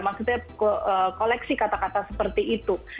maksudnya koleksi kata kata seperti itu